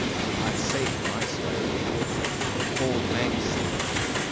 I save my sweat. OLD MANX SAILOR.